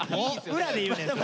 裏で言うねんそれ。